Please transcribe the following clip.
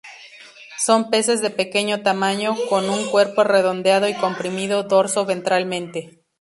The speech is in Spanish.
Son peces de pequeño tamaño, con un cuerpo redondeado y comprimido dorso-ventralmente.